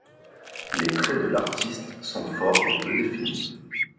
Les traits de l'artiste sont forts et peu définis.